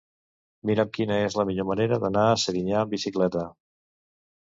Mira'm quina és la millor manera d'anar a Serinyà amb bicicleta.